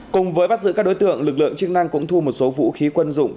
cùng với bắt giữ các đối tượng lực lượng chức năng cũng thu một số vũ khí quân dụng